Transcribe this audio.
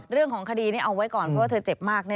เรื่องของคดีนี้เอาไว้ก่อนเพราะว่าเธอเจ็บมาก